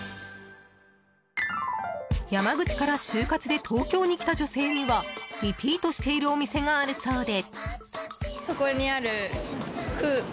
山口から就活で東京に来た女性にはリピートしているお店があるそうで。